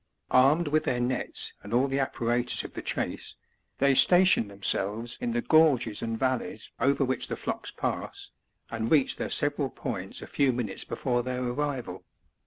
Armed with their nets and all the apparatus of the chase, they station themselves in the gorges and valleys over which tlie flocks pass, and reaujh their several points a few minutes before their arrival.